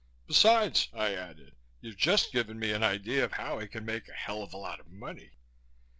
"Besides," I added, "you've just given me an idea of how I can make a hell of a lot of money."